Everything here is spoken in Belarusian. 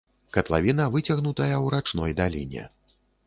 Катлавіна выцягнутая ў рачной даліне.